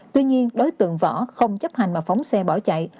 tuy nhiên đối tượng võ không chấp hành mà phóng xe bỏ chạy